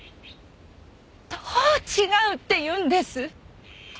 どう違うっていうんです？